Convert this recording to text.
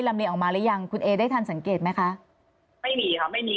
เมียออกมาหรือยังคุณเอได้ทันสังเกตไหมคะไม่มีค่ะไม่มี